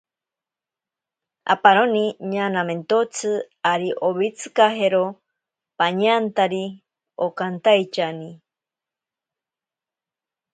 Aparoni ñanamentotsi ari owitsikajero pañantari onkantaityani.